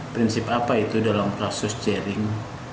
prinsip apa itu dalam kasus jering